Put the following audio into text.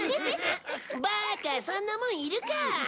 バーカそんなもんいるか。